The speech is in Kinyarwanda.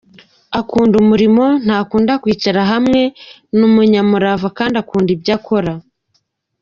Akunda umurimo, ntakunda kwicara hamwe, ni umunyamurava kandi akunda ibyo akora.